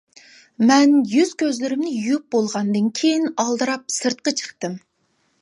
مەن يۈز-كۆزلىرىمنى يۇيۇپ بولغاندىن كېيىن ئالدىراپ سىرتقا چىقتىم.